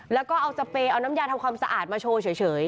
แล้วก็เอาสเปรย์เอาน้ำยาทำความสะอาดมาโชว์เฉย